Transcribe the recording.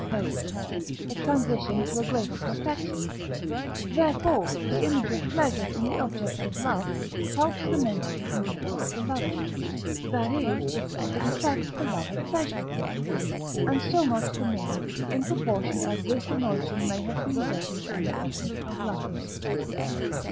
note) a transition to a greater perfection; therefore the image of pleasure in the object of love helps the mental endeavour of the lover; that is, it affects the lover pleasurably, and so much the more, in proportion as this emotion may have been greater in the object of love.